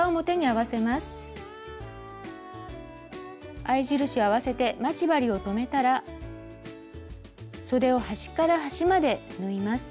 合い印を合わせて待ち針を留めたらそでを端から端まで縫います。